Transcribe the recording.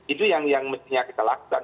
itu yang mestinya kita lakukan